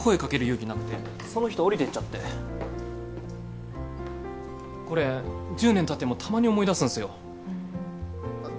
勇気なくてその人降りていっちゃってこれ１０年たってもたまに思い出すんですよふん